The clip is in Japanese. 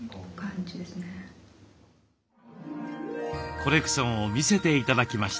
コレクションを見せて頂きました。